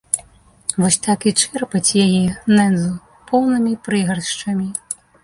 Вось так і чэрпаць яе, нэндзу, поўнымі прыгаршчамі.